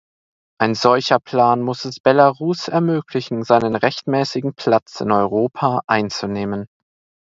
Ein solcher Plan muss es Belarus ermöglichen, seinen rechtmäßigen Platz in Europa einzunehmen.